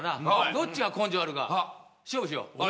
どっちが根性あるか勝負しよう。